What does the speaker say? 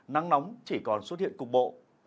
nắng nóng chỉ còn xuất hiện cùng bộ